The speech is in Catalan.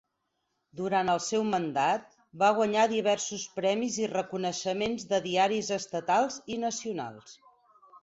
Durant el seu mandat, va guanyar diversos premis i reconeixements de diaris estatals i nacionals.